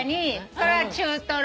これは中トロ。